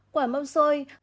quả mâm sôi